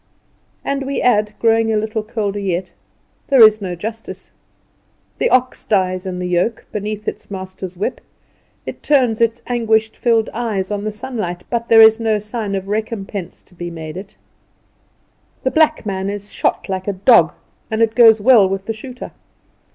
And, we add, growing a little colder yet. "There is no justice. The ox dies in the yoke, beneath its master's whip; it turns its anguish filled eyes on the sunlight, but there is no sign of recompense to be made it. The black man is shot like a dog, and it goes well with the shooter.